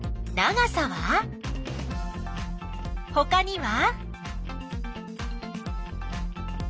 こさは？ほかには？